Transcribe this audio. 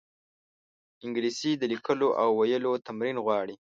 انګلیسي د لیکلو او ویلو تمرین غواړي